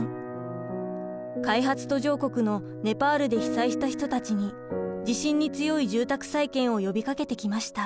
開発途上国のネパールで被災した人たちに地震に強い住宅再建を呼びかけてきました。